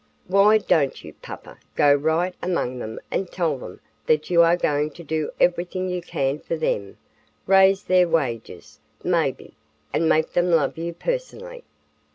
Why don't you, papa, go right among them and tell them that you are going to do everything you can for them, raise their wages, maybe, and make them love you personally?"